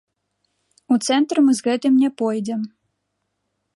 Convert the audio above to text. У цэнтр мы з гэтым не пойдзем.